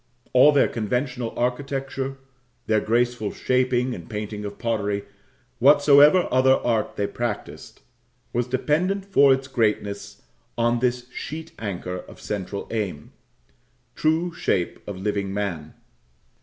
All their conventional architecture their graceful shaping and painting of pottery whatsoever other art they practised was dependent for its greatness on this sheet anchor of central aim: true shape of living man.